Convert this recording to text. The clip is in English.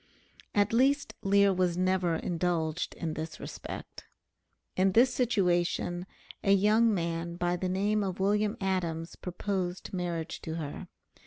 At least Lear was never indulged in this respect. In this situation a young man by the name of William Adams proposed marriage to her.